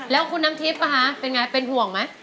แล้วคุณน้ำทิพย์เป็นไงเป็นห่วงไหม